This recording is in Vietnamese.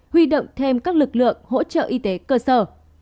huy động thêm các lực lượng hỗ trợ y tế cơ sở